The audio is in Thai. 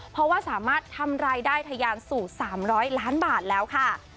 เพราะว่าสามารถทำรายได้ทะยานสู่๓๐๐ล้านบาทแล้วค่ะ